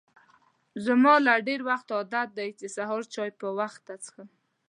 زما له ډېر وخته عادت دی چې سهار چای په وخته څښم.